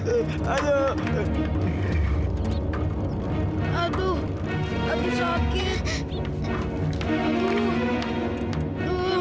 kejora panggil aja kurara